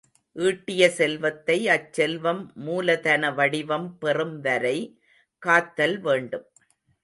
ஈட்டிய செல்வத்தை அச்செல்வம் மூலதன வடிவம் பெறும் வரை காத்தல் வேண்டும்.